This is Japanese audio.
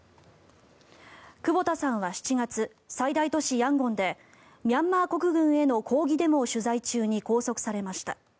久保田さんは７月最大都市ヤンゴンでミャンマー国軍への抗議デモを取材中に拘束されました。